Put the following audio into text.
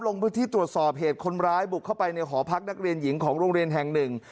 ลงพื้นที่ตรวจสอบเหตุคนร้ายบุกเข้าไปในหอพักนักเรียนหญิงของโรงเรียนแห่งหนึ่ง